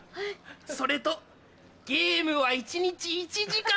それとゲームは一日１時間！